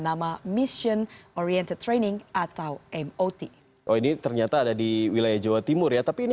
nama mission oriented training atau mot oh ini ternyata ada di wilayah jawa timur ya tapi ini